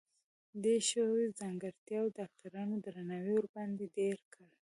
دې ښو ځانګرتياوو د ډاکټرانو درناوی ورباندې ډېر کړ.